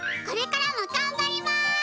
これからもがんばります！